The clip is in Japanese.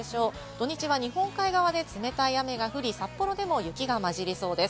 土日は日本海側で冷たい雨が降り、札幌でも雪が交じりそうです。